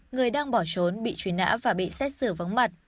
người đang bỏ trốn bị truy nã và bị xét xử vắng mặt